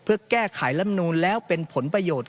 เพื่อแก้ไขลำนูนแล้วเป็นผลประโยชน์